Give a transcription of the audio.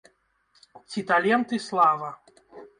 Ці талент і слава?